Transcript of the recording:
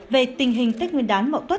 với tổ chức ấn độ